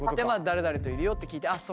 誰々といるよって聞いてああ